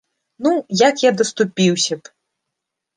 Ну, як я даступіўся б!